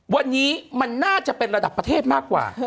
วันนี้มันน่าจะเป็นระดับประเทศมากกว่า